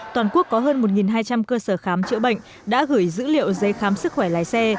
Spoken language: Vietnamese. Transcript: toàn quốc có hơn một hai trăm linh cơ sở khám chữa bệnh đã gửi dữ liệu giấy khám sức khỏe lái xe